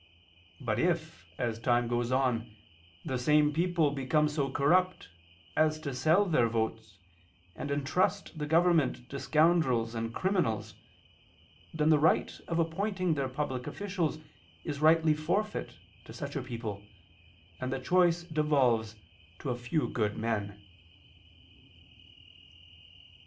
But if, as time goes on, the same people become so corrupt as to sell their votes, and entrust the government to scoundrels and criminals; then the right of appointing their public officials is rightly forfeit to such a people, and the choice devolves to a few good men."